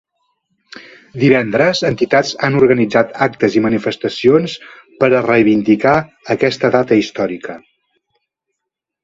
Diverses entitats han organitzat actes i manifestacions per a reivindicar aquesta data històrica.